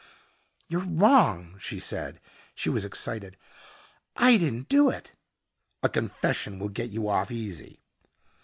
"You're wrong," she said. She was excited. "I didn't do it." "A confession will get you off easy."